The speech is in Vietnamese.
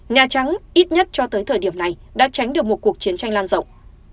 nhà trắng ít nhất cho tới thời điểm này đã tránh được một cuộc chiến tranh lan rộng